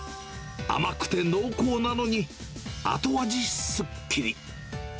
甘くて濃厚なのに、後味すっきり。